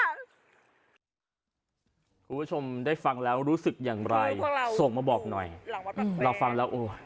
คุณผู้ชมได้ฟังแล้วรู้สึกอย่างไรส่งมาบอกหน่อยเราฟังแล้วโอ้ย